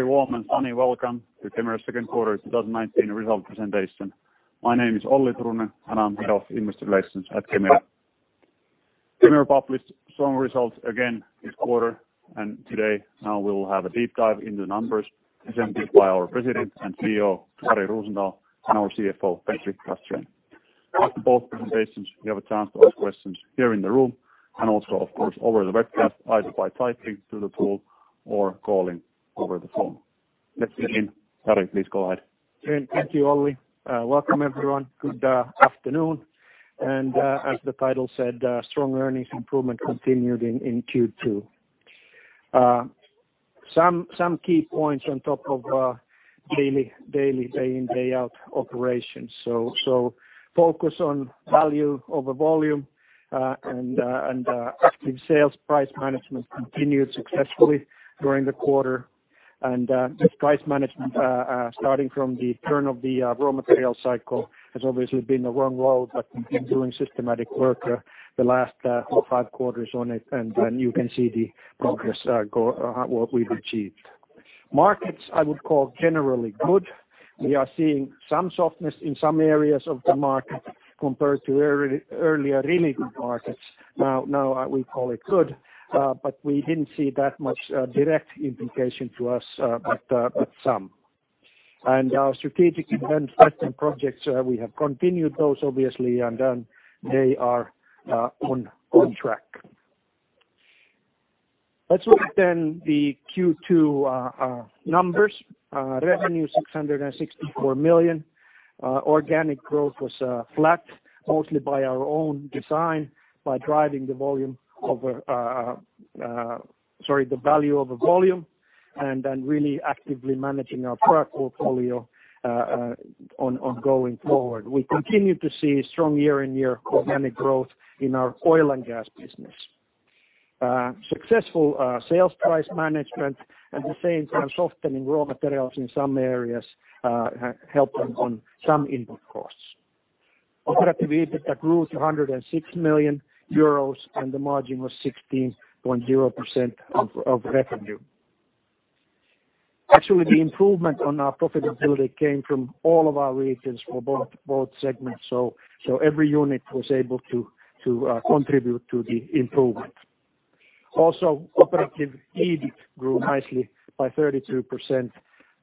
All right. Very warm and sunny welcome to Kemira's second quarter 2019 result presentation. My name is Olli Turunen, and I'm head of investor relations at Kemira. Kemira published strong results again this quarter, today now we'll have a deep dive into numbers presented by our President and CEO, Jari Rosendal, and our CFO, Petri Castrén. After both presentations, we have a chance to ask questions here in the room, also, of course, over the webcast, either by typing to the tool or calling over the phone. Let's begin. Jari please, go ahead. Thank you, Olli. Welcome everyone. Good afternoon. As the title said, strong earnings improvement continued in Q2. Some key points on top of daily, day in, day out operations. Focus on value over volume, active sales price management continued successfully during the quarter. The price management starting from the turn of the raw material cycle has obviously been the wrong road, but we've been doing systematic work the last four, five quarters on it, you can see the progress, what we've achieved. Markets, I would call generally good. We are seeing some softness in some areas of the market compared to earlier really good markets. Now we call it good, but we didn't see that much direct implication to us, but some. Our strategic event projects, we have continued those obviously, they are on track. Let's look the Q2 numbers. Revenue 664 million. Organic growth was flat, mostly by our own design, by driving the volume over Sorry, the value over volume, really actively managing our product portfolio on going forward. We continue to see strong year-on-year organic growth in our Oil & Gas business. Successful sales price management at the same time softening raw materials in some areas, helping on some input costs. Operative EBITDA grew to 106 million euros, the margin was 16.0% of revenue. Actually, the improvement on our profitability came from all of our regions for both segments. Every unit was able to contribute to the improvement. Also, operative EBIT grew nicely by 33%,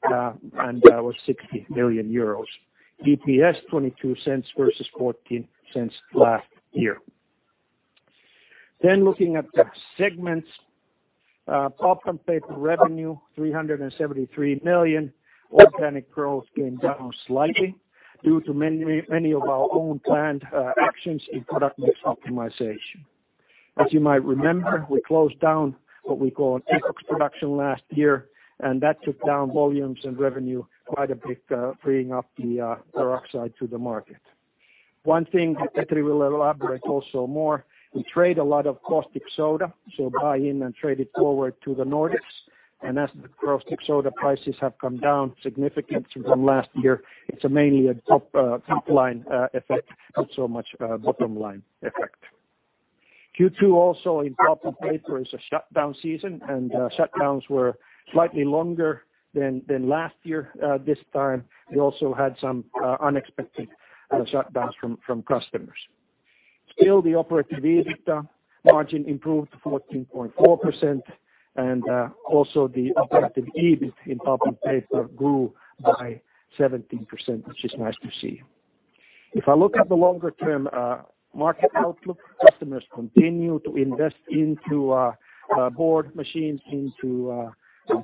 was 60 million euros. EPS 0.22 versus 0.14 last year. Looking at the segments pulp and paper revenue eur 373 million. Organic growth came down slightly due to many of our own planned actions in product mix optimization. As you might remember, we closed down what we call an ECOX production last year, that took down volumes and revenue quite a bit, freeing up the peroxide to the market. One thing that Petri will elaborate also more, we trade a lot of caustic soda, buy in and trade it forward to the Nordics. As the caustic soda prices have come down significantly from last year, it's mainly a top-line effect, not so much a bottom-line effect. Q2 also in pulp and paper is a shutdown season, shutdowns were slightly longer than last year. This time we also had some unexpected shutdowns from customers. The operative EBITDA margin improved to 14.4%, and also the operative [inaudible] pulp and paper grew by 17%, which is nice to see. If I look at the longer-term market outlook, customers continue to invest into board machines, into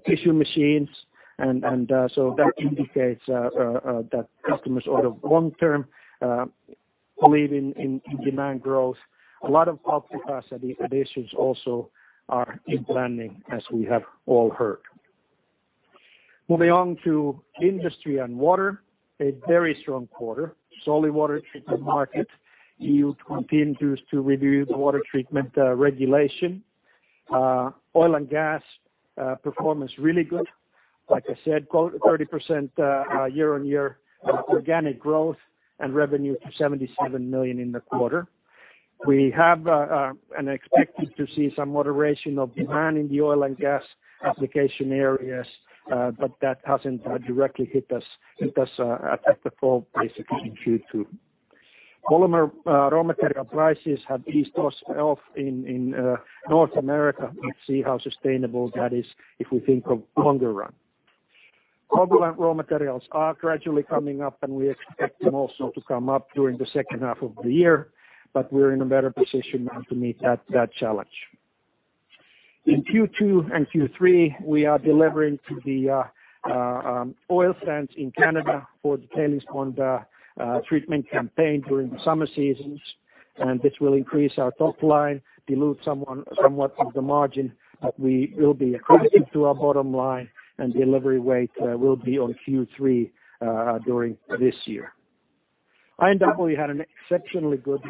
tissue machines. That indicates that customers are the long-term believe in demand growth. A lot of pulp capacity additions also are in planning as we have all heard. Moving on to Industry & Water, a very strong quarter. Solid water treatment market, EU continues to review the water treatment regulation. Oil & Gas, performance really good. Like I said, 30% year-over-year organic growth and revenue to 77 million in the quarter. We expected to see some moderation of demand in the Oil & Gas application areas, but that hasn't directly hit us at the full in Q2. Polymer raw material prices have eased off in North America. Let's see how sustainable that is if we think of longer run. Pulp and raw materials are gradually coming up, and we expect them also to come up during the second half of the year, but we're in a better position now to meet that challenge. In Q2 and Q3, we are delivering to the oil sands in Canada for the tailings treatment campaign during the summer seasons, and this will increase our top line, dilute somewhat of the margin, but we will be accretive to our bottom line and delivery weight will be on Q3, during this year. I&W had an exceptionally good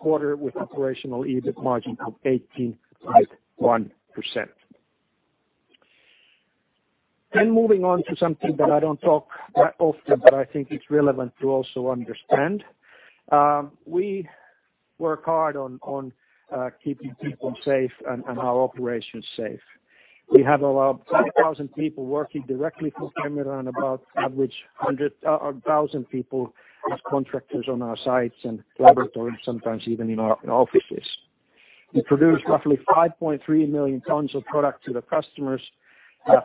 quarter with operational EBIT margin of 18.1%. Moving on to something that I don't talk about often, but I think it's relevant to also understand. We work hard on keeping people safe and our operations safe. We have about 5,000 people working directly for Kemira and about average 1,000 people as contractors on our sites and laboratories, sometimes even in our offices. We produce roughly 5,300,000 tons of product to the customers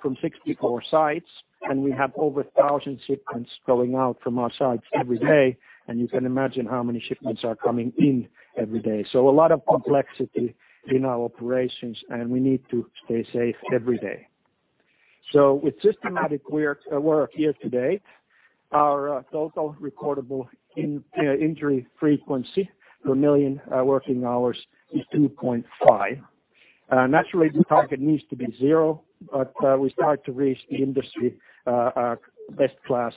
from 64 sites, and we have over 1,000 shipments going out from our sites every day, and you can imagine how many shipments are coming in every day. A lot of complexity in our operations, and we need to stay safe every day. With systematic work here today, our total recordable injury frequency per million working hours is 2.5. Naturally, the target needs to be zero, but we start to reach the industry best class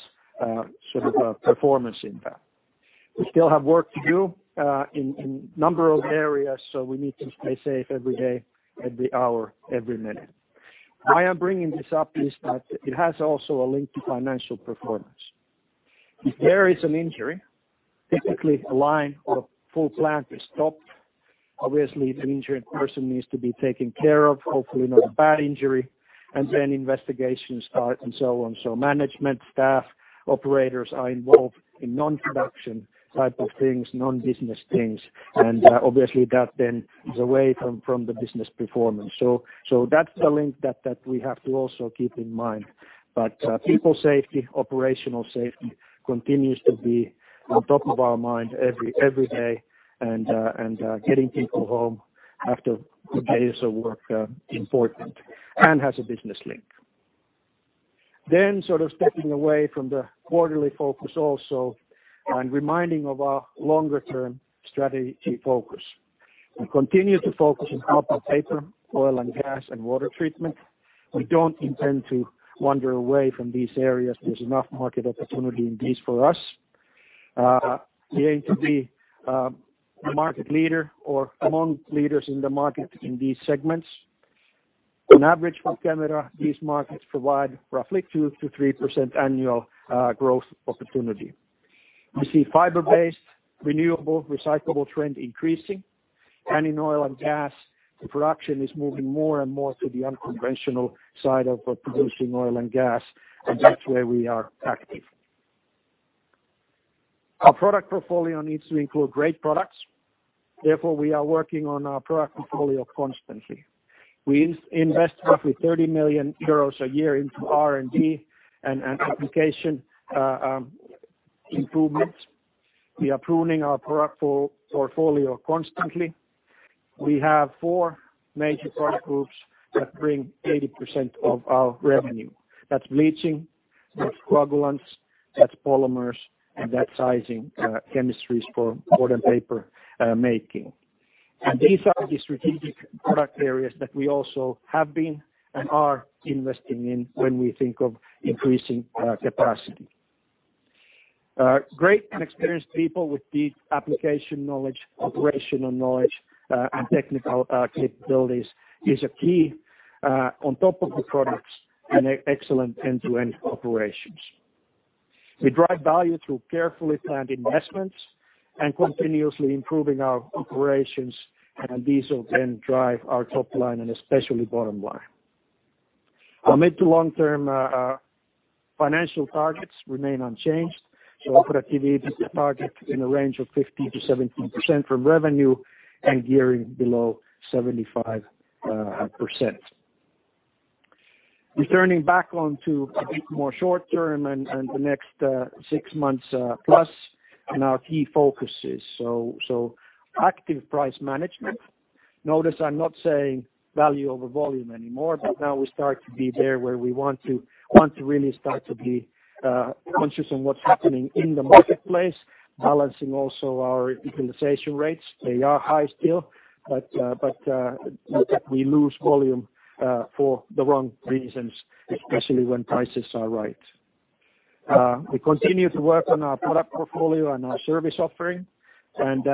performance impact. We still have work to do in number of areas, so we need to stay safe every day, every hour, every minute. Why I'm bringing this up is that it has also a link to financial performance. If there is an injury, typically a line or a full plant is stopped. Obviously, the injured person needs to be taken care of, hopefully not a bad injury. Investigations start and so on. Management, staff, operators are involved in non-production type of things, non-business things, and obviously that then is away from the business performance. That's the link that we have to also keep in mind. People safety, operational safety continues to be on top of our mind every day, and getting people home after good days of work are important and has a business link. Stepping away from the quarterly focus also and reminding of our longer-term strategy focus. We continue to focus on pulp and paper, Oil & Gas, and water treatment. There's enough market opportunity in these for us. We aim to be a market leader or among leaders in the market in these segments. On average, for Kemira, these markets provide roughly 2%-3% annual growth opportunity. We see fiber-based, renewable, recyclable trend increasing, and in Oil & Gas, the production is moving more and more to the unconventional side of producing Oil & Gas, and that's where we are active. Our product portfolio needs to include great products, therefore, we are working on our product portfolio constantly. We invest roughly 30 million euros a year into R&D and application improvements. We are pruning our product portfolio constantly. We have four major product groups that bring 80% of our revenue. That's bleaching, that's coagulants, that's polymers, and that's sizing chemistries for modern paper making. These are the strategic product areas that we also have been and are investing in when we think of increasing capacity. Great and experienced people with deep application knowledge, operational knowledge, and technical capabilities is a key on top of the products and excellent end-to-end operations. We drive value through carefully planned investments and continuously improving our operations, these will then drive our top line and especially bottom line. Our mid to long-term financial targets remain unchanged, productivity target in the range of 15%-17% from revenue and gearing below 75%. Returning back onto a bit more short term and the next six months plus and our key focuses. Active price management. Notice I'm not saying value over volume anymore. Now we start to be there where we want to really start to be conscious on what's happening in the marketplace, balancing also our utilization rates. They are high still, but not that we lose volume for the wrong reasons, especially when prices are right. We continue to work on our product portfolio and our service offering and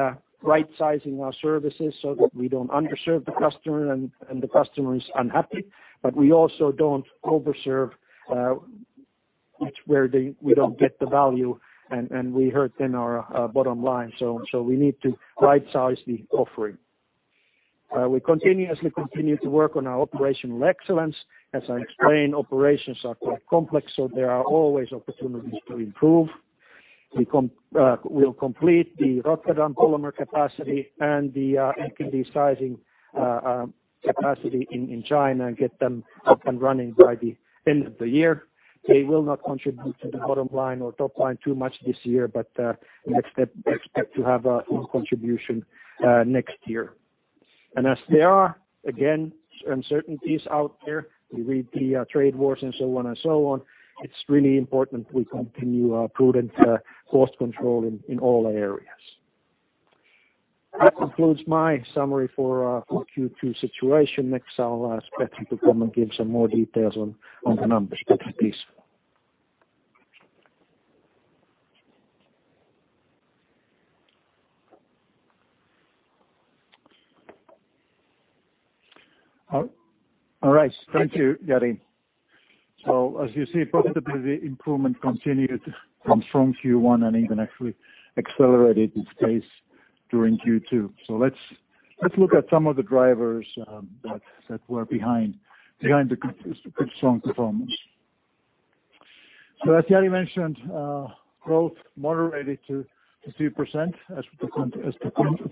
right-sizing our services so that we don't underserve the customer and the customer is unhappy, but we also don't overserve, which where we don't get the value, and we hurt then our bottom line. We need to right-size the offering. We continuously continue to work on our operational excellence. As I explained, operations are quite complex, so there are always opportunities to improve. We'll complete the Rotterdam polymer capacity and the AKD sizing capacity in China and get them up and running by the end of the year. They will not contribute to the bottom line or top line too much this year, but we expect to have a full contribution next year. As there are, again, uncertainties out there, we read the trade wars and so on, it's really important we continue our prudent cost control in all areas. That concludes my summary for our Q2 situation. Next, I'll ask Petri to come and give some more details on the numbers. Petri, please. All right. Thank you, Jari. As you see, profitability improvement continued from strong Q1 and even actually accelerated its pace during Q2. Let's look at some of the drivers that were behind the good, strong performance. As Jari mentioned, growth moderated to 3% as the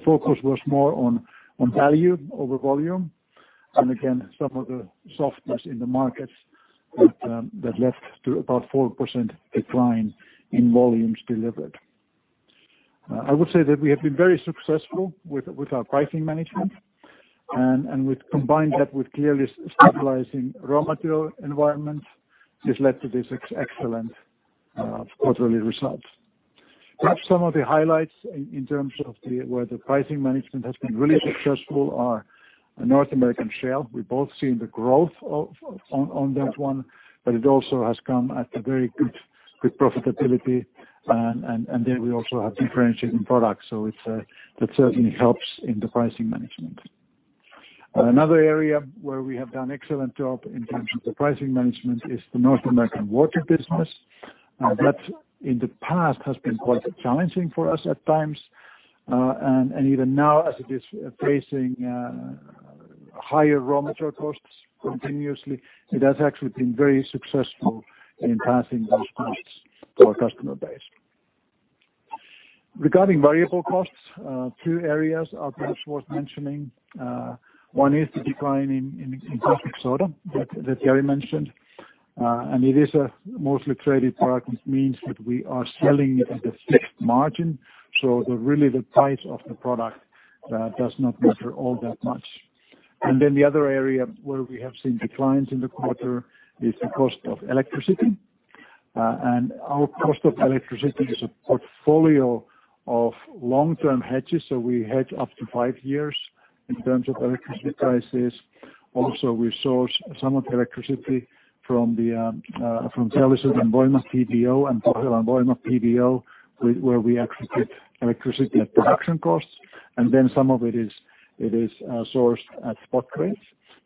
focus was more on value over volume. Again, some of the softness in the markets that led to about 4% decline in volumes delivered. I would say that we have been very successful with our pricing management, and we've combined that with clearly stabilizing raw material environment has led to this excellent quarterly results. Perhaps some of the highlights in terms of where the pricing management has been really successful are North American shale. We've both seen the growth on that one, but it also has come at a very good profitability. There we also have differentiating products, that certainly helps in the pricing management. Another area where we have done excellent job in terms of the pricing management is the North American water business. That in the past has been quite challenging for us at times. Even now as it is facing higher raw material costs continuously, it has actually been very successful in passing those costs to our customer base. Regarding variable costs, two areas are perhaps worth mentioning. One is the decline in caustic soda that Jari mentioned. It is a mostly traded product, means that we are selling it at a fixed margin. Really the price of the product does not matter all that much. Then the other area where we have seen declines in the quarter is the cost of electricity. Our cost of electricity is a portfolio of long-term hedges, we hedge up to five years in terms of electricity prices. Also, we source some of the electricity from Tallinn Vormsi TBO and Pärnu Vormsi TBO, where we actually get electricity at production costs, then some of it is sourced at spot rates.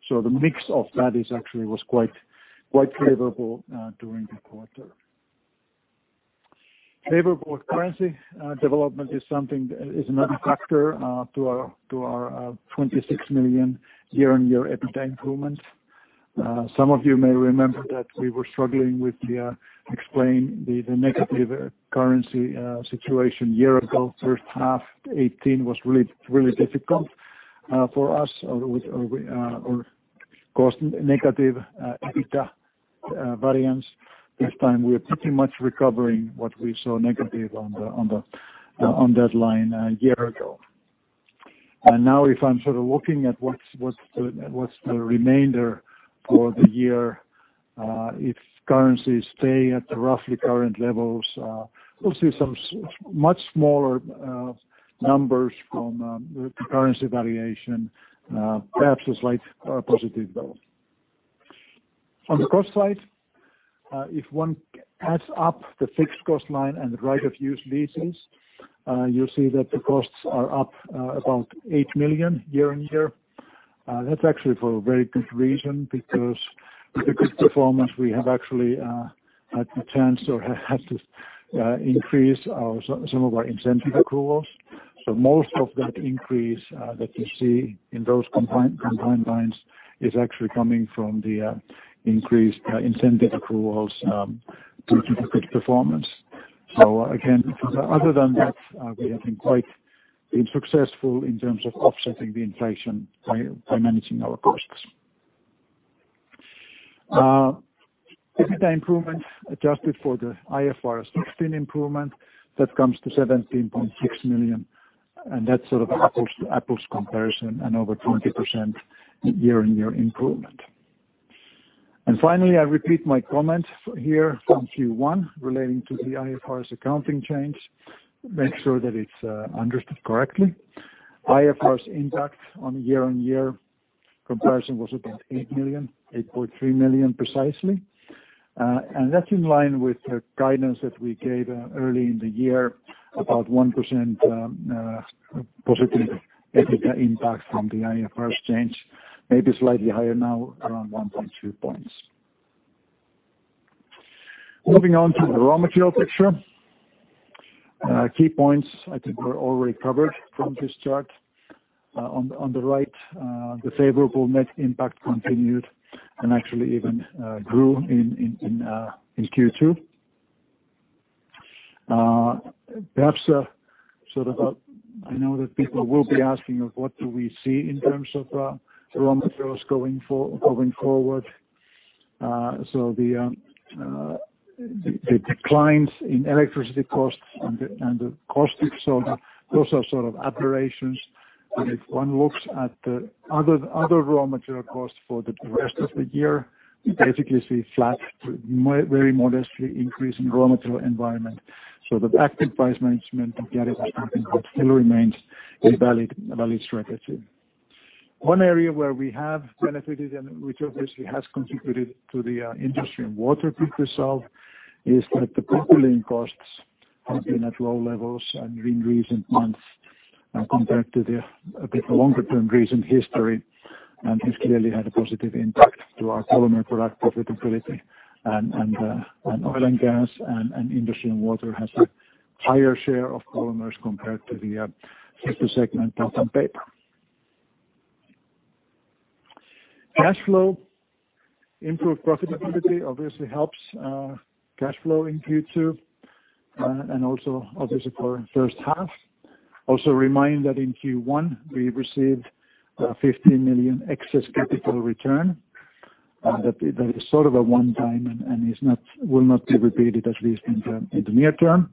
The mix of that is actually was quite favorable during the quarter. Favorable currency development is another factor to our 26 million year-on-year EBITDA improvement. Some of you may remember that we were struggling with the explained negative currency situation a year ago. First half 2018 was really difficult for us, or caused negative EBITDA variance. This time we are pretty much recovering what we saw negative on that line a year ago. Now if I'm sort of looking at what's the remainder for the year if currencies stay at the roughly current levels, we'll see some much smaller numbers from the currency valuation. Perhaps a slight positive, though. On the cost side, if one adds up the fixed cost line and the right of use leases, you see that the costs are up about 8 million year-on-year. That's actually for a very good reason, because with the good performance, we have actually had the chance to have to increase some of our incentive accruals. Most of that increase that you see in those combined lines is actually coming from the increased incentive accruals due to the good performance. Again, other than that, we have been quite successful in terms of offsetting the inflation by managing our costs. EBITDA improvement adjusted for the IFRS 16 improvement, that comes to 17.6 million, and that's sort of apples to apples comparison and over 20% year-on-year improvement. Finally, I repeat my comments here from Q1 relating to the IFRS accounting change, make sure that it's understood correctly. IFRS impact on year-on-year comparison was about 8 million, 8.3 million precisely. That's in line with the guidance that we gave early in the year, about 1% positive EBITDA impact from the IFRS change, maybe slightly higher now, around 1.2 points. Moving on to the raw material picture. Key points I think were already covered from this chart. On the right, the favorable net impact continued and actually even grew in Q2. Perhaps I know that people will be asking of what do we see in terms of raw materials going forward. The declines in electricity costs and the caustic soda, those are sort of aberrations. If one looks at the other raw material costs for the rest of the year, we basically see flat to very modestly increase in raw material environment. The active price management that Jari was talking about still remains a valid strategy. One area where we have benefited, and which obviously has contributed to the Industry & Water good result, is that the propylene costs have been at low levels and in recent months compared to the longer-term recent history, and has clearly had a positive impact to our polymer product profitability. Oil & Gas and Industry & Water has a higher share of polymers compared to the paper segment of the paper. Cash flow. Improved profitability obviously helps cash flow in Q2, and also obviously for first half. Also remind that in Q1 we received 15 million excess capital return. That is sort of a one-time and will not be repeated, at least in the near term.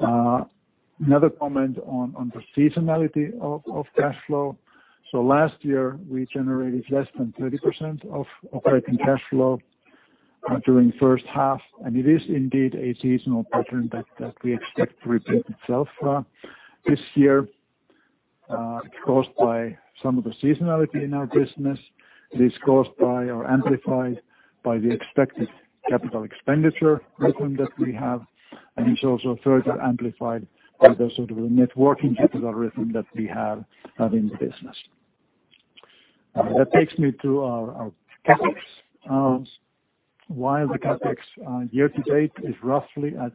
Another comment on the seasonality of cash flow. Last year, we generated less than 30% of operating cash flow during the first half, and it is indeed a seasonal pattern that we expect to repeat itself. This year, it's caused by some of the seasonality in our business. It is caused by or amplified by the expected capital expenditure rhythm that we have, and it's also further amplified by the sort of net working capital rhythm that we have in the business. That takes me to our CapEx. While the CapEx year to date is roughly at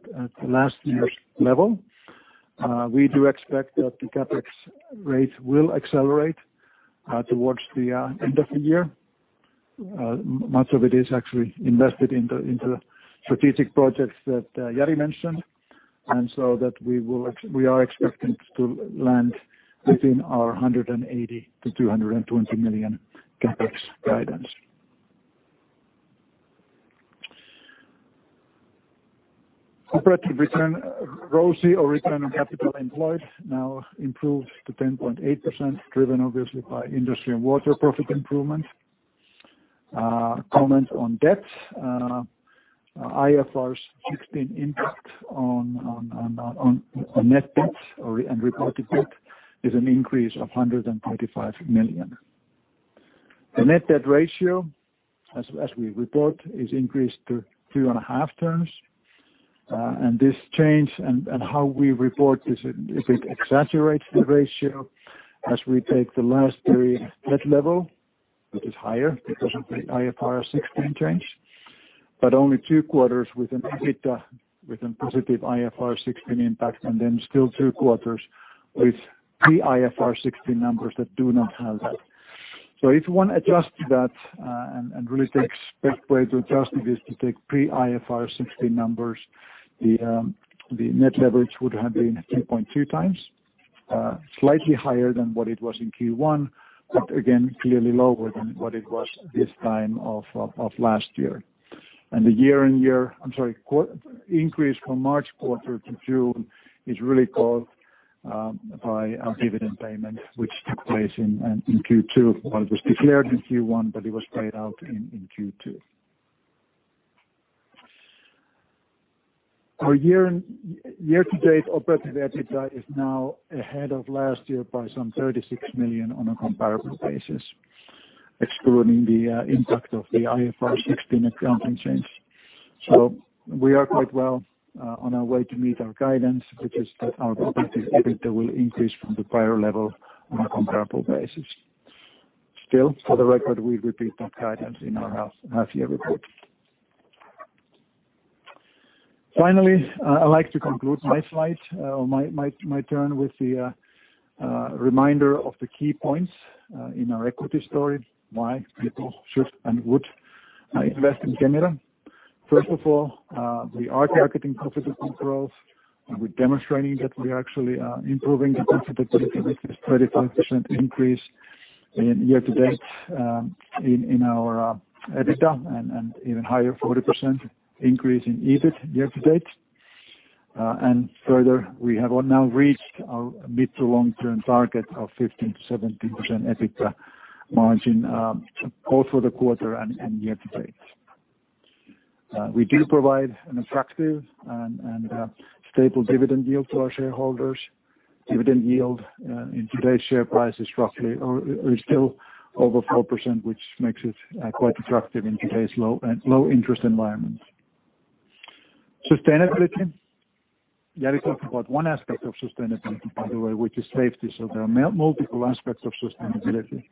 last year's level, we do expect that the CapEx rate will accelerate towards the end of the year. Much of it is actually invested into the strategic projects that Jari mentioned, we are expecting to land within our 180 million-220 million CapEx guidance. Operating return. ROCE or return on capital employed now improves to 10.8%, driven obviously by Industry & Water profit improvement. Comment on debt. IFRS 16 impact on net debt and reported debt is an increase of 135 million. The net debt ratio, as we report, is increased to three and a half terms. This change and how we report this, it exaggerates the ratio as we take the last period debt level, that is higher because of the IFRS 16 change, but only two quarters with an EBITDA, with a positive IFRS 16 impact, and then still two quarters with pre IFRS 16 numbers that do not have that. If one adjusts that, and really the best way to adjust it is to take pre-IFRS 16 numbers, the net leverage would have been 3.2x. Slightly higher than what it was in Q1, but again, clearly lower than what it was this time of last year. The year-on-year, I am sorry, increase from March quarter to June is really caused by our dividend payment, which took place in Q2. Well, it was declared in Q1, but it was paid out in Q2. Our year-to-date operative EBITDA is now ahead of last year by some 36 million on a comparable basis, excluding the impact of the IFRS 16 accounting change. We are quite well on our way to meet our guidance, which is that our operative EBITDA will increase from the prior level on a comparable basis. Still, for the record, we repeat that guidance in our half-year report. I would like to conclude my slides or my turn with the reminder of the key points in our equity story, why people should and would invest in Kemira. We are targeting profitable growth. We are demonstrating that we are actually improving the profitability with this 35% increase in year-to-date in our EBITDA and even higher 40% increase in EBIT year-to-date. We have now reached our mid-to-long-term target of 15%-17% EBITDA margin both for the quarter and year-to-date. We do provide an attractive and stable dividend yield to our shareholders. Dividend yield in today's share price is still over 4%, which makes it quite attractive in today's low interest environment. Sustainability. Jari talked about one aspect of sustainability, by the way, which is safety. There are multiple aspects of sustainability.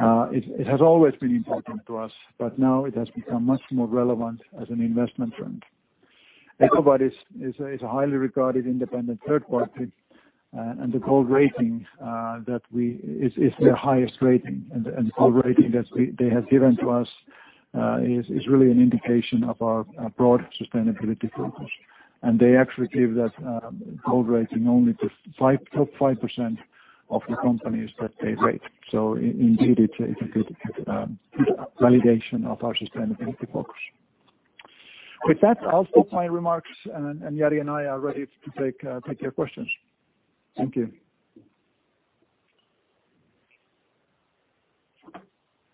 It has always been important to us, but now it has become much more relevant as an investment trend. EcoVadis is a highly regarded independent third party, and the gold rating is their highest rating. The gold rating they have given to us is really an indication of our broad sustainability focus. They actually give that gold rating only to top 5% of the companies that they rate. Indeed, it is a good validation of our sustainability focus. With that, I'll stop my remarks, and Jari and I are ready to take your questions. Thank you.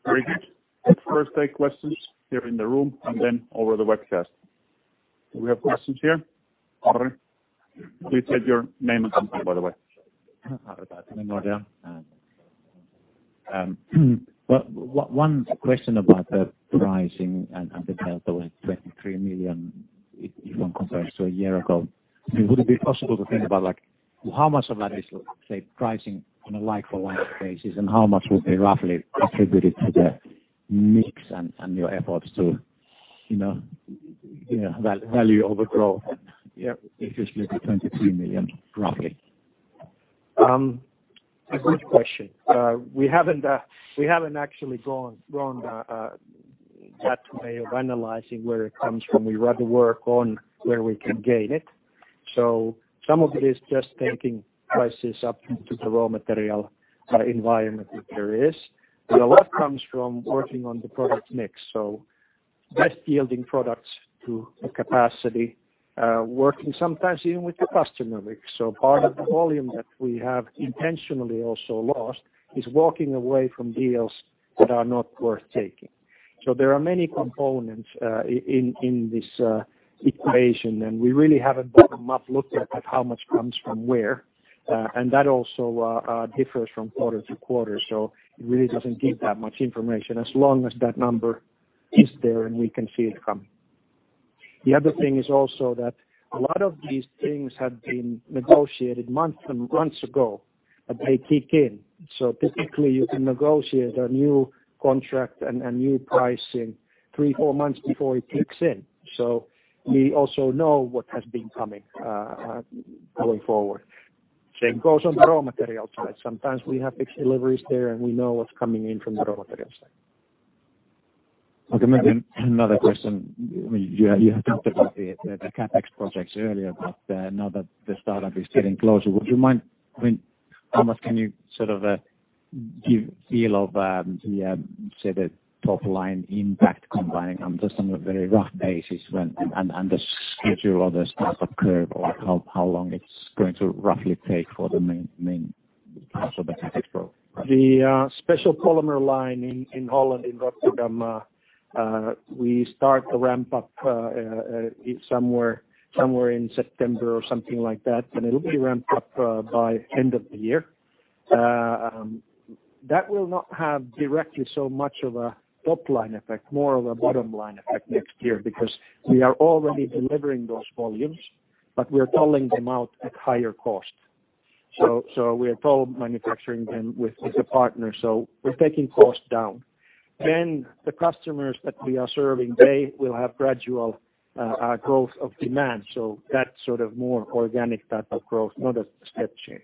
Very good. Let's first take questions here in the room and then over the webcast. Do we have questions here? Ari. Please state your name and company, by the way. Ari Raatikainen, Nordea. One question about the pricing and the delta, like 23 million, if one compares to a year ago, would it be possible to think about how much of that is, say, pricing on a like-for-like basis, and how much would be roughly attributed to the mix and your efforts to value over growth? Yeah. Especially the 23 million, roughly. A good question. We haven't actually gone that way of analyzing where it comes from. We rather work on where we can gain it. Some of it is just taking prices up to the raw material environment that there is. A lot comes from working on the product mix, best yielding products to a capacity, working sometimes even with the customer mix. Part of the volume that we have intentionally also lost is walking away from deals that are not worth taking. There are many components in this equation, and we really haven't bottomed up looked at how much comes from where, and that also differs from quarter to quarter. It really doesn't give that much information as long as that number is there and we can see it coming. The other thing is also that a lot of these things have been negotiated months ago, and they kick in. Typically you can negotiate a new contract and a new pricing three, four months before it kicks in. We also know what has been coming going forward. Same goes on the raw material side. Sometimes we have fixed deliveries there, and we know what's coming in from the raw material side. Okay, maybe another question. You had talked about the CapEx projects earlier, now that the startup is getting closer, how much can you sort of give a feel of the, say, the top-line impact combining on just on a very rough basis and the schedule of the startup curve, like how long it's going to roughly take for the main parts of the CapEx project? The special polymer line in Holland, in Rotterdam, we start the ramp-up somewhere in September or something like that, it'll be ramped up by end of the year. That will not have directly so much of a top-line effect, more of a bottom-line effect next year because we are already delivering those volumes, but we're tolling them out at higher cost. We are toll manufacturing them with a partner, so we're taking cost down. The customers that we are serving, they will have gradual growth of demand. That's sort of more organic type of growth, not a step change.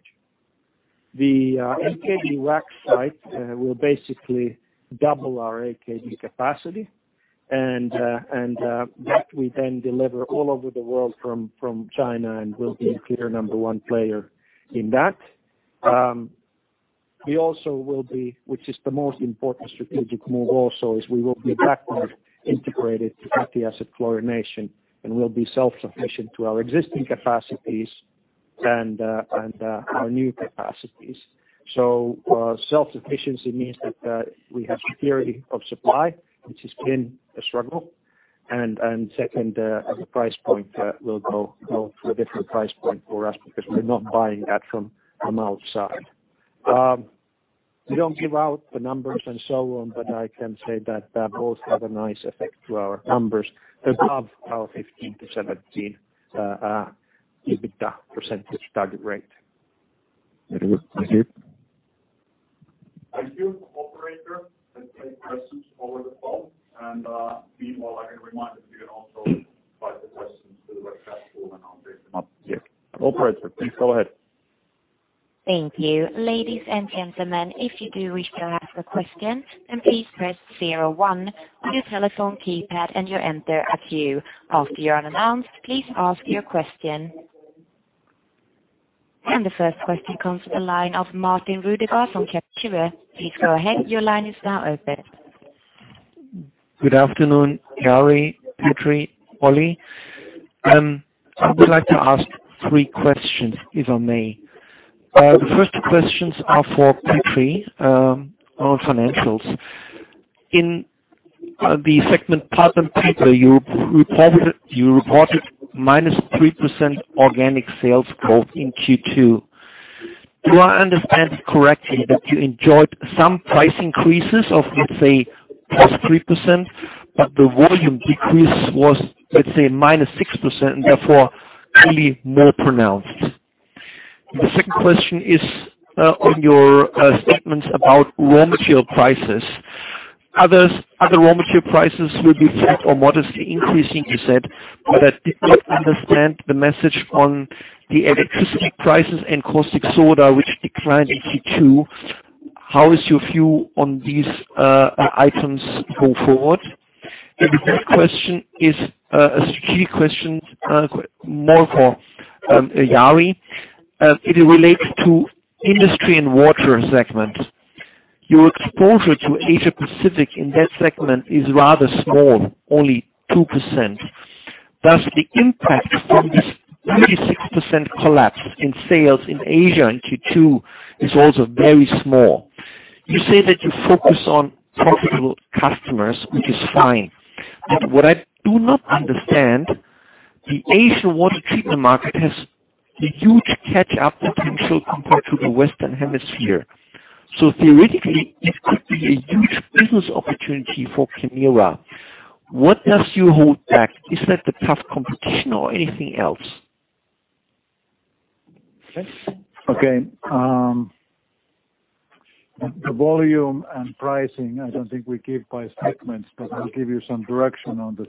The AKD wax site will basically double our AKD capacity, that we then deliver all over the world from China and we'll be a clear number one player in that. Which is the most important strategic move also is we will be backward integrated to fatty acid chlorination, and we'll be self-sufficient to our existing capacities and our new capacities. Self-sufficiency means that we have security of supply, which has been a struggle, and second, as a price point, will go through a different price point for us because we're not buying that from outside. We don't give out the numbers and so on, but I can say that both have a nice effect to our numbers above our 15%-17% EBITDA target rate. Very good. Thank you. Thank you. Operator, let's take questions over the phone. Meanwhile, I can remind that you can also type the questions to the web chat tool and I'll pick them up. Operator, please go ahead. Thank you. Ladies and gentlemen, if you do wish to ask a question, please press zero one on your telephone keypad and enter at cue. After you are announced, please ask your question. The first question comes from the line of Martin Rüdiger from Kepler. Please go ahead. Your line is now open. Good afternoon, Jari, Petri, Olli. I would like to ask three questions, if I may. The first two questions are for Petri on financials. In the segment pulp and paper, you reported -3% organic sales growth in Q2. Do I understand correctly that you enjoyed some price increases of, let's say, +3%, the volume decrease was, let's say, -6% and therefore really more pronounced? The second question is on your statements about raw material prices. Other raw material prices will be flat or modestly increasing, you said. I did not understand the message on the electricity prices and caustic soda, which declined in Q2. How is your view on these items go forward? The third question is a strategic question more for Jari. It relates to Industry and Water segment. Your exposure to Asia-Pacific in that segment is rather small, only 2%. The impact from this 36% collapse in sales in Asia in Q2 is also very small. You say that you focus on profitable customers, which is fine. What I do not understand. The Asian water treatment market has a huge catch-up potential compared to the Western Hemisphere. Theoretically, it could be a huge business opportunity for Kemira. What does hold you back? Is that the tough competition or anything else? Okay. The volume and pricing, I don't think we give by segments, but I'll give you some direction on the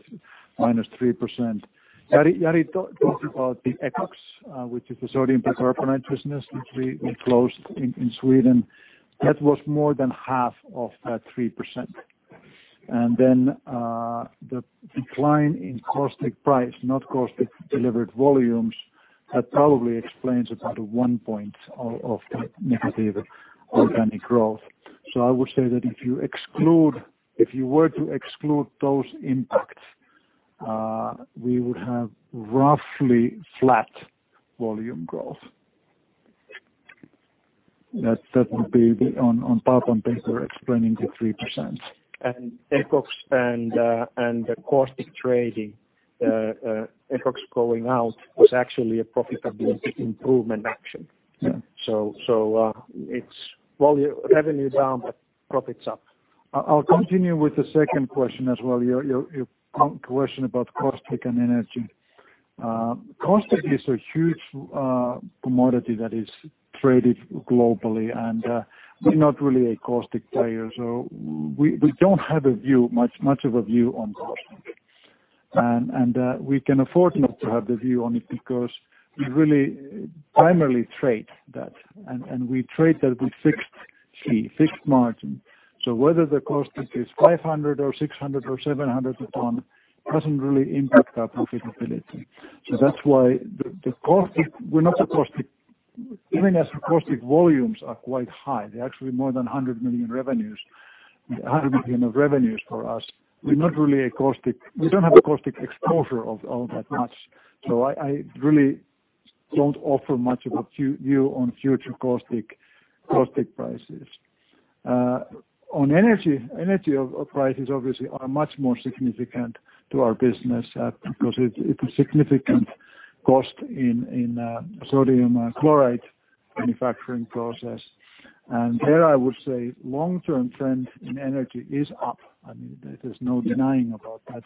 -3%. Jari talked about the ECOX, which is the sodium percarbonate business which we closed in Sweden. That was more than half of that 3%. The decline in caustic price, not caustic delivered volumes, that probably explains about one point of that negative organic growth. I would say that if you were to exclude those impacts, we would have roughly flat volume growth. That would be on paper explaining the 3%. ECOX and the caustic trading, ECOX going out was actually a profitability improvement action. Yeah. It's revenue's down, but profit's up. I'll continue with the second question as well, your question about caustic and energy. Caustic is a huge commodity that is traded globally, and we're not really a caustic player. We don't have much of a view on caustic. We can afford not to have the view on it because we really primarily trade that, and we trade that with fixed margin. Whether the caustic is 500 or 600 or 700 a ton doesn't really impact our profitability. That's why even as the caustic volumes are quite high, they're actually more than 100 million of revenues for us. We don't have a caustic exposure of that much, so I really don't offer much of a view on future caustic prices. On energy prices obviously are much more significant to our business, because it's a significant cost in sodium chlorate manufacturing process. There I would say long-term trend in energy is up. I mean, there's no denying about that.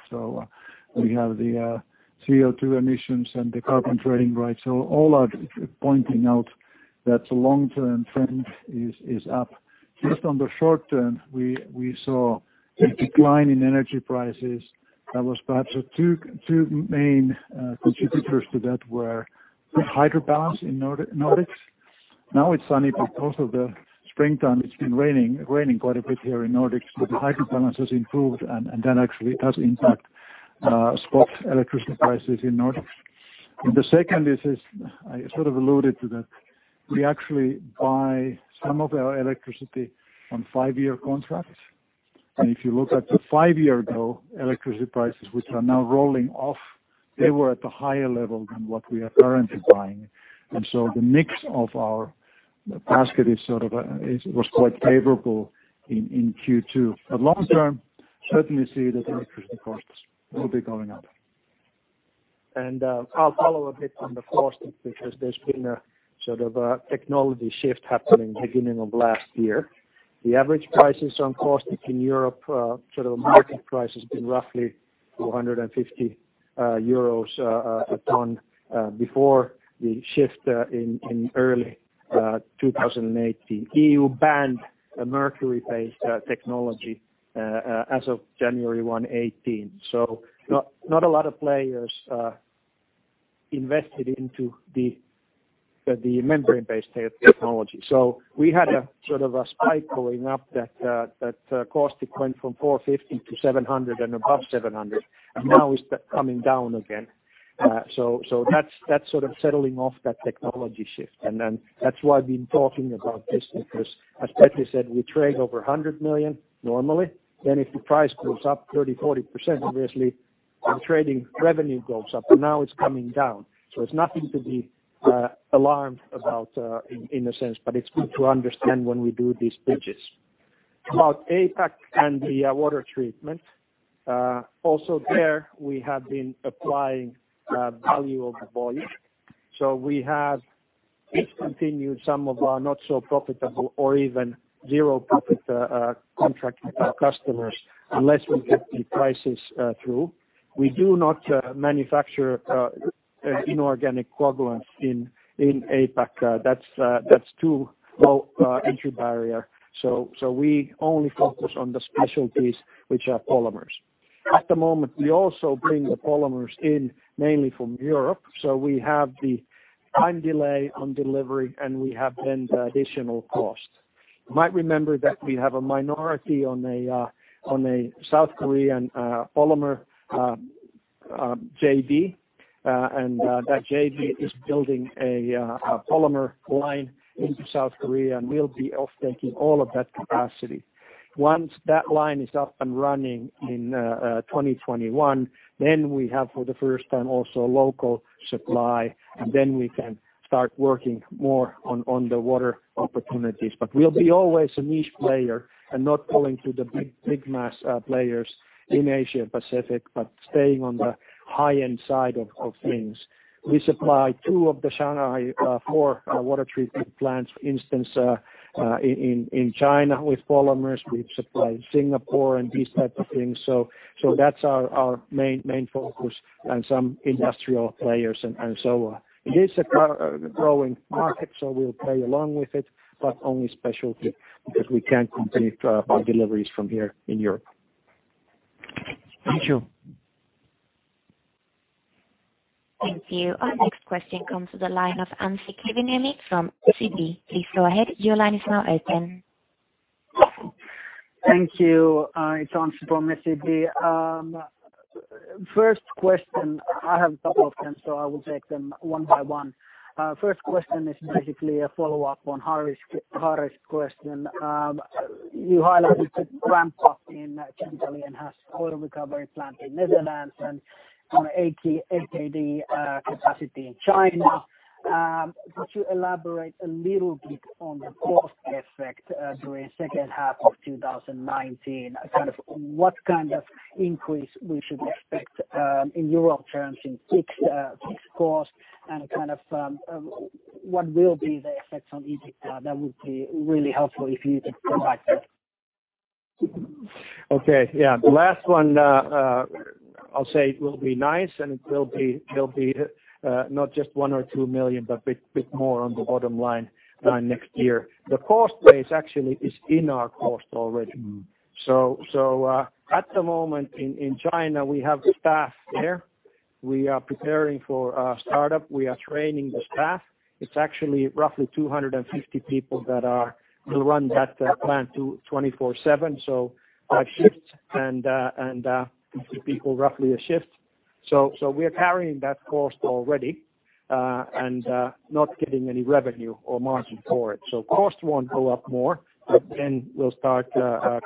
We have the CO2 emissions and the carbon trading rights, all are pointing out that the long-term trend is up. Just on the short term, we saw a decline in energy prices that was perhaps two main contributors to that were the hydro balance in Nordics. Now it's sunny, but also the springtime, it's been raining quite a bit here in Nordics. The hydro balance has improved, and that actually does impact spot electricity prices in Nordics. The second is, I sort of alluded to that we actually buy some of our electricity on five-year contracts. If you look at the five year ago electricity prices, which are now rolling off, they were at a higher level than what we are currently buying. The mix of our basket was quite favorable in Q2. Long term, certainly see that electricity costs will be going up. I'll follow a bit on the caustic because there's been a sort of a technology shift happening beginning of last year. The average prices on caustic in Europe, sort of market price has been roughly 450 euros a ton before the shift in early 2018. EU banned a mercury-based technology as of January 1, 2018. Not a lot of players invested into the membrane-based technology. We had a sort of a spike going up that caustic went from 450-700 and above 700, and now it's coming down again. That's sort of settling off that technology shift. That's why I've been talking about this because as Petri said, we trade over 100 million normally. If the price goes up 30%, 40%, obviously our trading revenue goes up, but now it's coming down. It's nothing to be alarmed about in a sense. It's good to understand when we do these bridges. About APAC and the water treatment, also there we have been applying value over volume. We have discontinued some of our not so profitable or even zero profit contract with our customers unless we get the prices through. We do not manufacture inorganic coagulants in APAC. That's too low entry barrier. We only focus on the specialties which are polymers. At the moment, we also bring the polymers in mainly from Europe. We have the time delay on delivery, and we have then the additional cost. You might remember that we have a minority on a South Korean polymer JV, and that JV is building a polymer line into South Korea, and we'll be off-taking all of that capacity. Once that line is up and running in 2021, we have for the first time also local supply, and then we can start working more on the water opportunities. We'll be always a niche player and not pulling to the big mass players in Asia Pacific, but staying on the high-end side of things. We supply two of the Shanghai four water treatment plants, for instance, in China with polymers. We've supplied Singapore and these types of things. That's our main focus and some industrial players and so on. It is a growing market, so we'll play along with it, but only specialty, because we can't compete our deliveries from here in Europe. Thank you. Thank you. Our next question comes to the line of Anssi Kiviniemi from SEB. Please go ahead. Your line is now open. Thank you. It's Anssi from SEB. First question I have a couple of them, I will take them one by one. First question is basically a follow-up on Harish's question. You highlighted the ramp-up in chemical enhanced oil recovery plant in Netherlands and some AKD capacity in China. Could you elaborate a little bit on the cost effect during second half of 2019, what kind of increase we should expect in EUR terms in fixed cost and what will be the effects on EBITDA? That would be really helpful if you could go back there. Okay. The last one I'll say it will be nice, it will be not just 1 million or 2 million, but bit more on the bottom line next year. The cost base actually is in our cost already. At the moment in China, we have staff there. We are preparing for a startup. We are training the staff. It's actually roughly 250 people that are who run that plant 24/7, five shifts and 50 people roughly a shift. We are carrying that cost already, not getting any revenue or margin for it. Cost won't go up more, but we'll start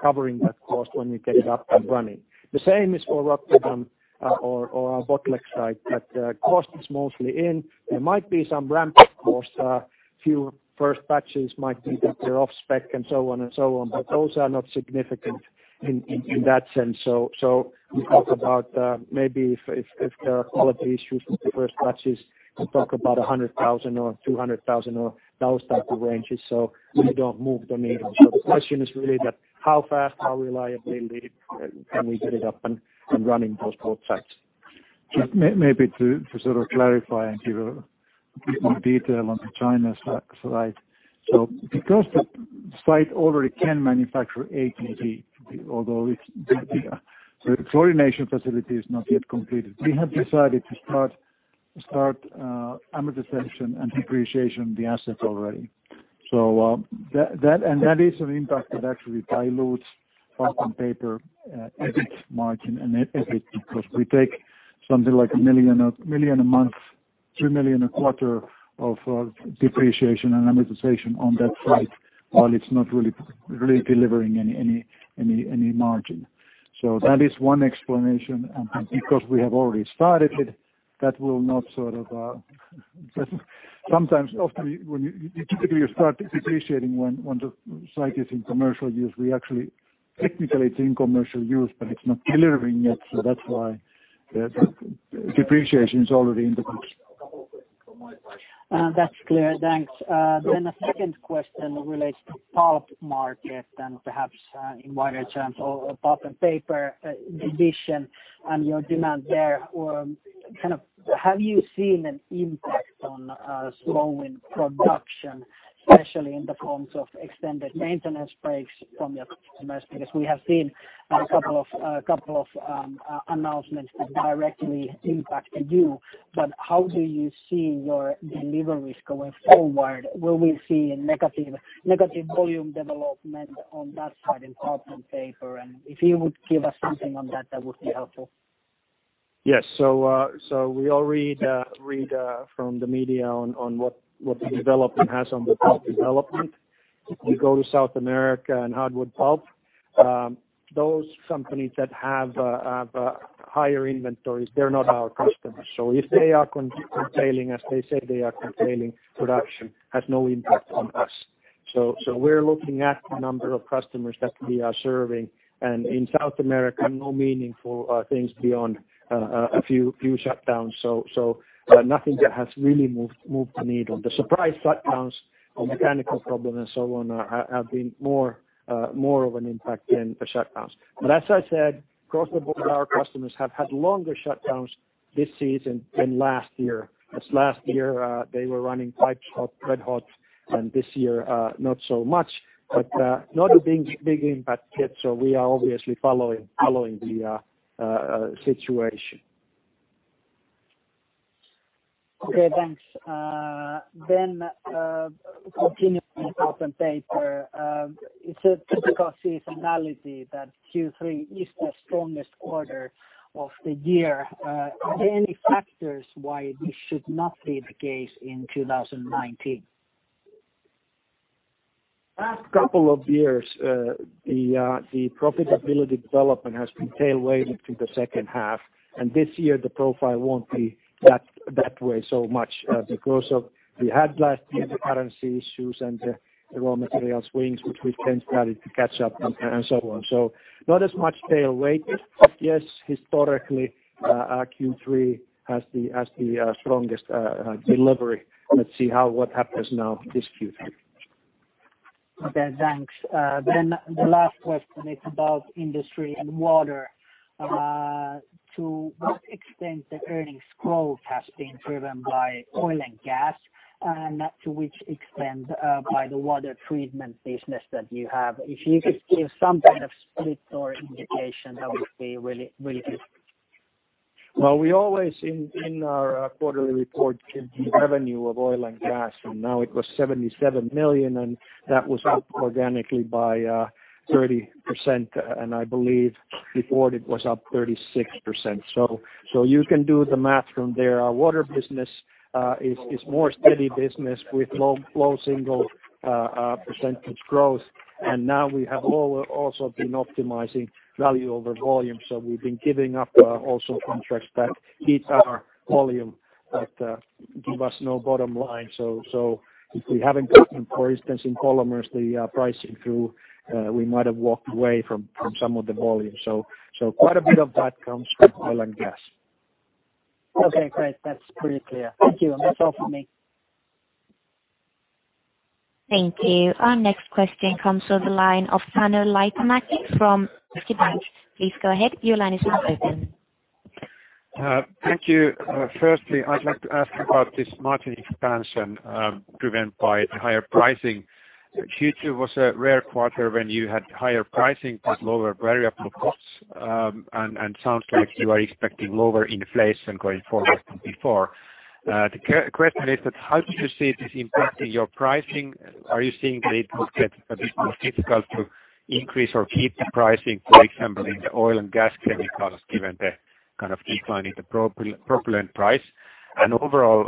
covering that cost when we get it up and running. The same is for Rotterdam or our Botlek site, that cost is mostly in. There might be some ramp-up costs, a few first batches might be that they're off-spec and so on, those are not significant in that sense. We talk about maybe if there are quality issues with the first batches, we talk about 100,000 or 200,000 or those types of ranges, we don't move the needle. The question is really that how fast, how reliably can we get it up and running those both sites? To clarify and give a bit more detail on the China site. Because the site already can manufacture AKD, although its chlorination facility is not yet completed, we have decided to start amortization and depreciation of the assets already. That is an impact that actually dilutes pulp and paper EBIT margin [inaudible] because we take something like 1 million a month, 3 million a quarter of depreciation and amortization on that site while it is not really delivering any margin. That is one explanation, and because we have already started it, that will not. Sometimes, often, typically you start depreciating when the site is in commercial use. Technically, it is in commercial use, but it is not delivering yet, so that is why the depreciation is already in the books. That is clear. Thanks. A second question relates to pulp market and perhaps in water [inaudible] or pulp and paper division and your demand there. Have you seen an impact on slowing production, especially in the forms of extended maintenance breaks from your customers? Because we have seen a couple of announcements that directly impacted you, but how do you see your deliveries going forward? Will we see a negative volume development on that side in pulp and paper? if you would give us something on that would be helpful. Yes. We all read from the media on what the development has on the pulp development. You go to South America and hardwood pulp, those companies that have higher inventories, they are not our customers. If they are curtailing as they say they are curtailing production, has no impact on us. We are looking at the number of customers that we are serving, and in South America, no meaningful things beyond a few shutdowns. Nothing that has really moved the needle. The surprise shutdowns or mechanical problems and so on have been more of an impact than the shutdowns. As I said, across the board, our customers have had longer shutdowns this season than last year, because last year they were running pipes red hot, and this year not so much, but not a big impact yet. We are obviously following the situation. Okay, thanks. Then opportunities in pulp and paper. it is a typical seasonality that Q3 is the strongest quarter of the year. Are there any factors why this should not be the case in 2019? Last couple of years, the profitability development has been tail-weighted to the second half. This year the profile won't be that way so much because we had last year the currency issues and the raw material swings, which we've then started to catch up and so on. Not as much tail-weight. Yes, historically, our Q3 has the strongest delivery. Let's see what happens now this Q3. Okay, thanks. The last question is about Industry & Water. To what extent the earnings growth has been driven by Oil & Gas, and to which extent by the water treatment business that you have? If you could give some kind of split or indication, that would be really good. We always, in our quarterly report, give the revenue of Oil & Gas. Now it was 77 million, and that was up organically by 30%, and I believe before it was up 36%. You can do the math from there. Our water business is more steady business with low single percentage growth. Now we have also been optimizing value over volume. We've been giving up also contracts that eat our volume but give us no bottom line. If we haven't gotten, for instance, in polymers, the pricing through, we might have walked away from some of the volume. Quite a bit of that comes from Oil & Gas. Okay, great. That's pretty clear. Thank you. That's all from me. Thank you. Our next question comes from the line of Panu Litmanen from OP Bank. Please go ahead. Your line is now open. Thank you. Firstly, I'd like to ask about this margin expansion driven by higher pricing. Q2 was a rare quarter when you had higher pricing but lower variable costs, and sounds like you are expecting lower inflation going forward than before. The question is that how do you see this impacting your pricing? Are you seeing that it will get a bit more difficult to increase or keep the pricing, for example, in the Oil & Gas chemicals, given the kind of decline in the propylene price? Overall,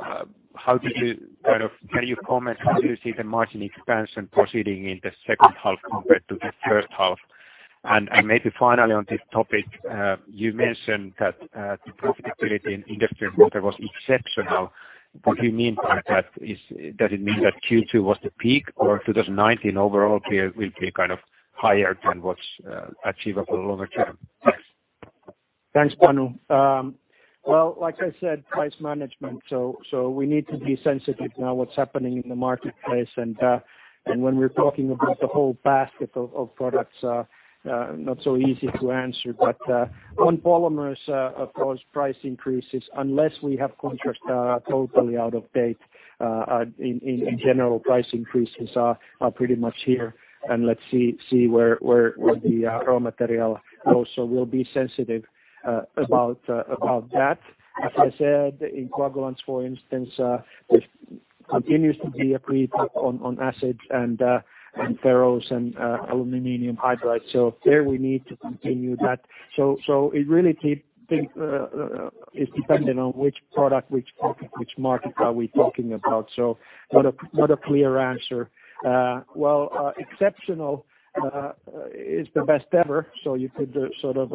can you comment how you see the margin expansion proceeding in the second half compared to the first half? Maybe finally on this topic, you mentioned that the profitability in Industry and Water was exceptional. What do you mean by that? Does it mean that Q2 was the peak or 2019 overall will be kind of higher than what's achievable longer term? Thanks, Panu. Like I said, price management, we need to be sensitive now what's happening in the marketplace. When we're talking about the whole basket of products, not so easy to answer. On polymers, of course, price increases, unless we have contracts that are totally out of date, in general, price increases are pretty much here. Let's see where the raw material also will be sensitive about that. As I said, in coagulants, for instance, there continues to be a premium on acids and ferric and aluminium hydroxide. There we need to continue that. It really is dependent on which product, which market are we talking about. Not a clear answer. Exceptional is the best ever, you could sort of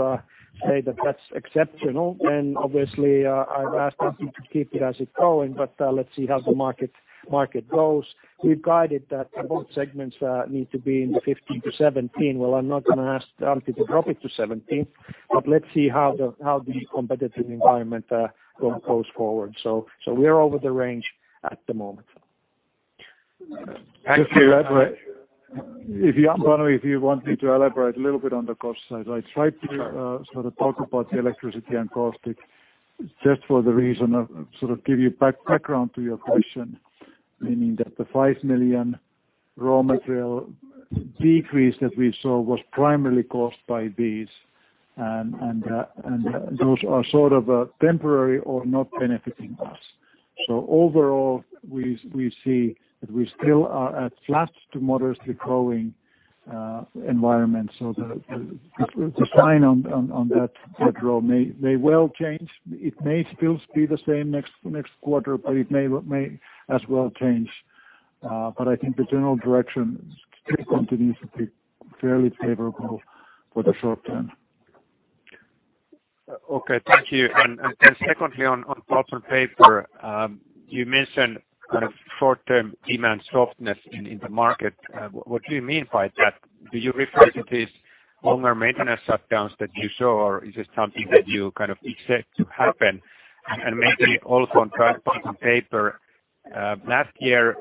say that that's exceptional. Obviously, I've asked Petri to keep it as it going, but let's see how the market goes. We've guided that both segments need to be in the 15%-17%. I'm not going to ask Petri to drop it to 17%, but let's see how the competitive environment goes forward. We are over the range at the moment. Thank you. Panu, if you want me to elaborate a little bit on the cost side. I tried to talk about the electricity and caustic just for the reason of give you background to your question, meaning that the 5 million raw material decrease that we saw was primarily caused by these, and those are temporary or not benefiting us. Overall, we see that we still are at flat to modestly growing environment. The sign on that may well change. It may still be the same next quarter, but it may as well change. I think the general direction still continues to be fairly favorable for the short term. Okay. Thank you. Secondly on pulp and paper, you mentioned short-term demand softness in the market. What do you mean by that? Do you refer to these longer maintenance shutdowns that you saw, or is this something that you expect to happen? Maybe also on track, pulp and paper, last year,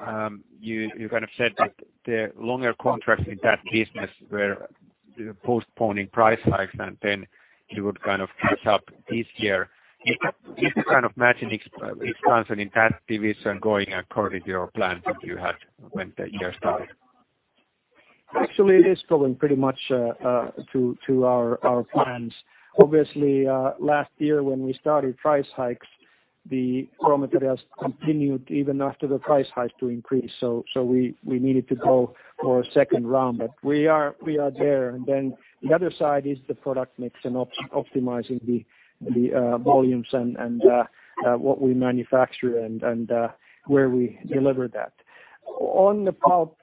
you said that the longer contracts in that business were postponing price hikes and then you would catch up this year. Is the margin expansion in that division going according to your plan that you had when the year started? Actually, it is going pretty much to our plans. Obviously, last year when we started price hikes, the raw materials continued even after the price hike to increase. We needed to go for a second round. We are there. The other side is the product mix and optimizing the volumes and what we manufacture and where we deliver that. On the pulp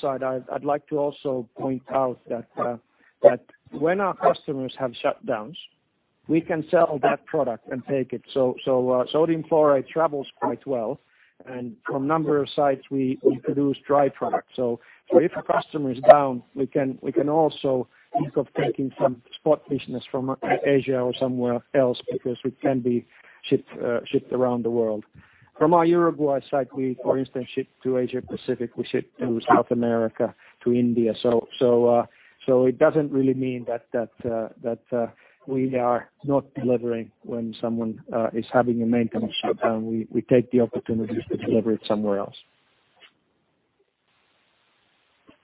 side, I'd like to also point out that when our customers have shutdowns, we can sell that product and take it. Sodium chlorate travels quite well. From a number of sites, we produce dry product. If a customer is down, we can also think of taking some spot business from Asia or somewhere else because we can be shipped around the world. From our Uruguay site, we, for instance, ship to Asia Pacific, we ship to South America, to India. It doesn't really mean that we are not delivering when someone is having a maintenance shutdown. We take the opportunity to deliver it somewhere else.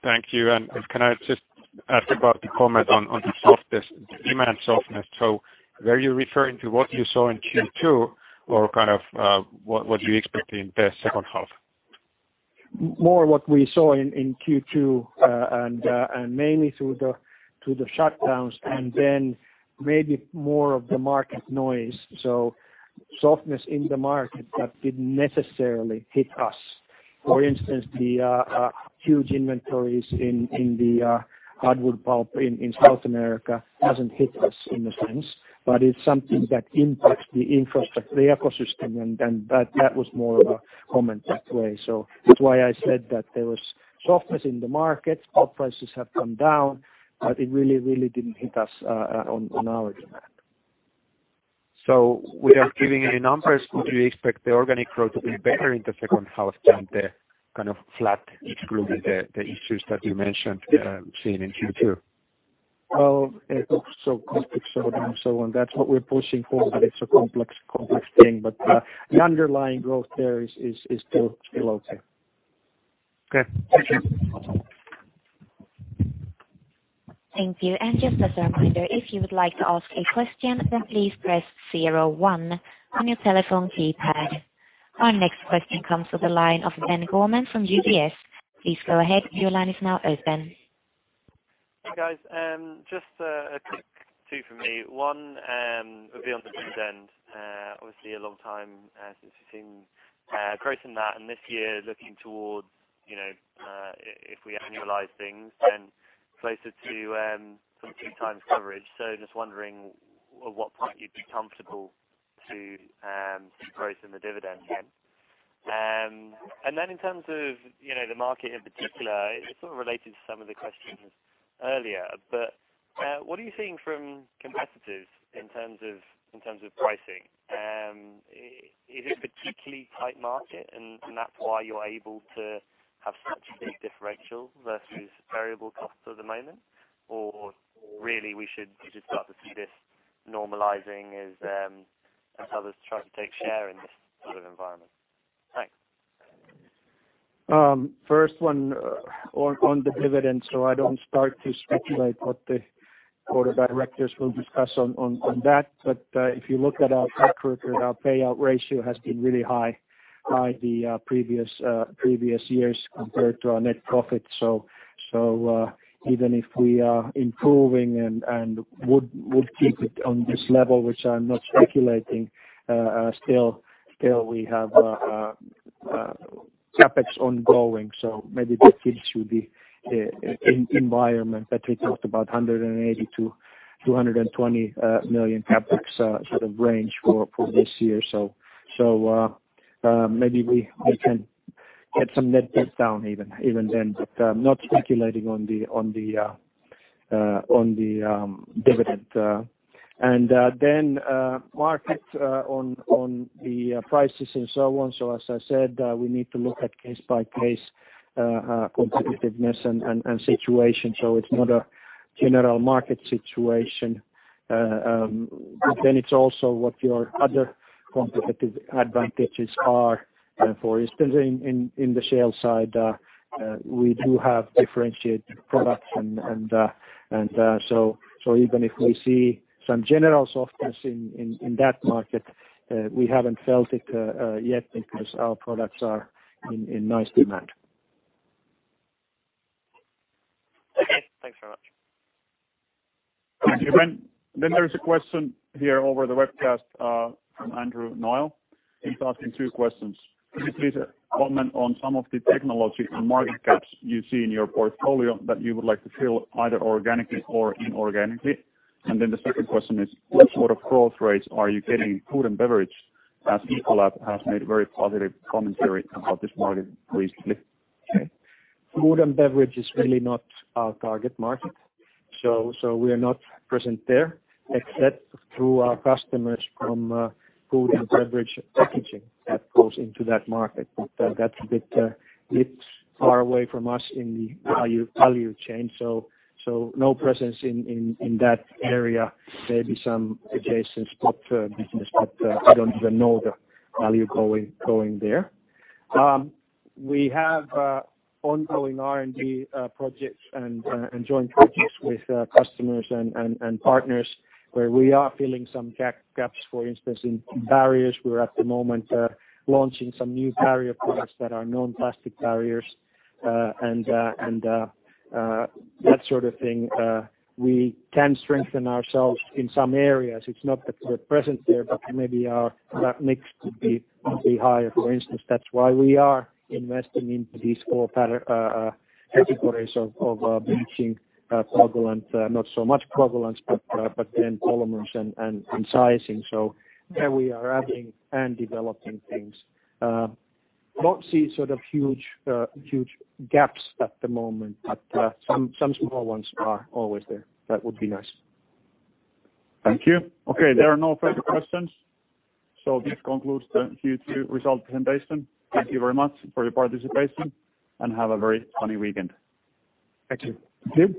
Thank you. Can I just ask about the comment on the demand softness? Were you referring to what you saw in Q2 or kind of what you expect in the second half? More what we saw in Q2, and mainly through the shutdowns and then maybe more of the market noise. Softness in the market that didn't necessarily hit us. For instance, the huge inventories in the hardwood pulp in South America hasn't hit us in the sense, but it's something that impacts the ecosystem and that was more of a comment that way. That's why I said that there was softness in the market. Pulp prices have come down, it really didn't hit us on our demand. Without giving any numbers, would you expect the organic growth to be better in the second half than the kind of flat, excluding the issues that you mentioned seeing in Q2? It looks so complex and so on. That's what we're pushing for, but it's a complex thing. The underlying growth there is still okay. Okay. Thank you. Thank you. Just as a reminder, if you would like to ask a question, then please press zero one on your telephone keypad. Our next question comes to the line of Ben Gorman from UBS. Please go ahead. Your line is now open. Hey, guys. Just a quick two from me. One would be on the dividend, obviously a long time since we've seen growth in that and this year looking towards if we annualize things then closer to some two times coverage. Just wondering at what point you'd be comfortable to grow some of the dividend then. In terms of the market in particular, it sort of related to some of the questions earlier, but what are you seeing from competitors in terms of pricing? Is it a particularly tight market, and that's why you're able to have such big differentials versus variable costs at the moment? Really we should start to see this normalizing as others try to take share in this sort of environment. Thanks. First one on the dividend. I don't start to speculate what the board of directors will discuss on that. If you look at our track record, our payout ratio has been really high by the previous years compared to our net profit. Even if we are improving and would keep it on this level, which I'm not speculating, still we have CapEx ongoing, maybe that fits with the environment that we talked about, 180 million-220 million CapEx sort of range for this year. Maybe we can get some net debt down even then, but I'm not speculating on the dividend. Markets on the prices and so on. As I said, we need to look at case-by-case competitiveness and situation. It's not a general market situation. It's also what your other competitive advantages are. For instance, in the shale side, we do have differentiated products. Even if we see some general softness in that market, we haven't felt it yet because our products are in nice demand. Okay, thanks very much. Thank you, Ben. There is a question here over the webcast from Andrew Noël. He is asking two questions. Could you please comment on some of the technology and market gaps you see in your portfolio that you would like to fill either organically or inorganically? The second question is, what sort of growth rates are you getting in food and beverage, as Ecolab has made very positive commentary about this market recently? Food and beverage is really not our target market. We are not present there except through our customers from food and beverage packaging that goes into that market. That's a bit far away from us in the value chain. No presence in that area. Maybe some adjacent spot business, but I don't even know the value going there. We have ongoing R&D projects and joint projects with customers and partners where we are filling some gaps. For instance, in barriers, we're at the moment launching some new barrier products that are non-plastic barriers, and that sort of thing. We can strengthen ourselves in some areas. It's not that we're present there, but maybe our mix could be higher, for instance. That's why we are investing into these four categories of bleaching, pulpal and not so much pulpal ones, but then polymers and sizing. There we are adding and developing things. Don't see sort of huge gaps at the moment, but some small ones are always there. That would be nice. Thank you. Okay. There are no further questions. This concludes the Q2 result presentation. Thank you very much for your participation, and have a very sunny weekend. Thank you.